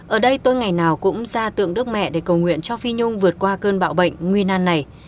ở đây tôi ngày nào cũng ra tượng đức mẹ để cầu nguyện cho phi nhung vượt qua cơn bão bệnh nguy nan này